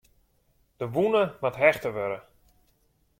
De wûne moat hechte wurde.